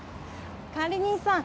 管理人さん